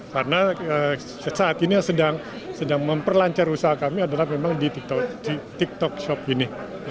karena saat ini yang sedang memperlancar usaha kami adalah memang di tiktok shop ini